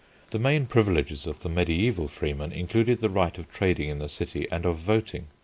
The main privileges of the mediæval freemen included the right of trading in the city, and of voting.